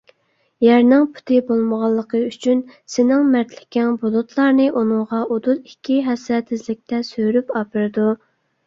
يەرنىڭ پۇتى بولمىغانلىقى ئۈچۈن سېنىڭ مەردلىكىڭ بۇلۇتلارنى ئۇنىڭغا ئۇدۇل ئىككى ھەسسە تېزلىكتە سۈرۈپ ئاپىرىدۇ.